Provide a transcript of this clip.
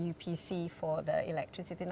upc untuk elektrik